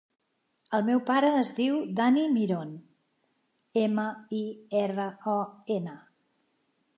El meu pare es diu Dani Miron: ema, i, erra, o, ena.